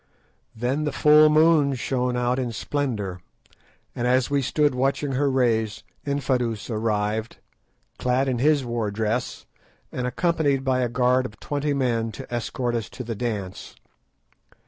Then the full moon shone out in splendour, and as we stood watching her rays, Infadoos arrived, clad in his war dress, and accompanied by a guard of twenty men to escort us to the dance.